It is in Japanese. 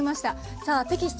さあテキスト